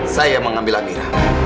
saya mengambil amirah